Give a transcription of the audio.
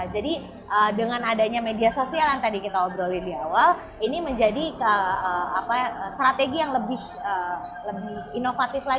jadi dengan adanya media sosial yang tadi kita obrolin di awal ini menjadi strategi yang lebih inovatif